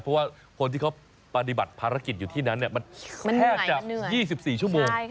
เพราะว่าคนที่เขาปฏิบัติภารกิจอยู่ที่นั้นมันแทบจะ๒๔ชั่วโมง